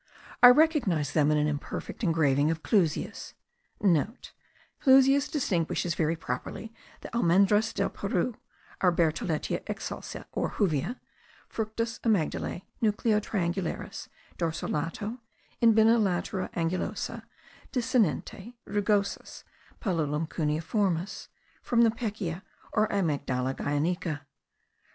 I recognise them in an imperfect engraving of Clusius.* (* Clusius distinguishes very properly the almendras del Peru, our Bertholletia excelsa, or juvia, (fructus amygdalae nucleo, triangularis, dorso lato, in bina latera angulosa desinente, rugosus, paululum cuneiformis) from the pekea, or Amygdala guayanica.